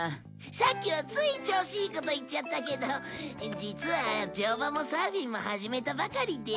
さっきはつい調子いいこと言っちゃったけど実は乗馬もサーフィンも始めたばかりで。